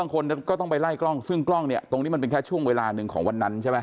คนก็ต้องไปไล่กล้องซึ่งกล้องเนี่ยตรงนี้มันเป็นแค่ช่วงเวลาหนึ่งของวันนั้นใช่ไหม